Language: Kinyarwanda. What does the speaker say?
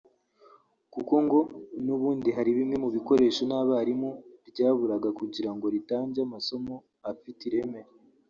kuko ngo n’ubundi hari bimwe mu bikoresho n’abarimu ryaburaga kugira ngo ritange amasomo afite ireme